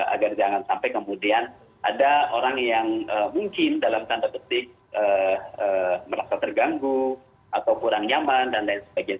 agar jangan sampai kemudian ada orang yang mungkin dalam tanda petik merasa terganggu atau kurang nyaman dan lain sebagainya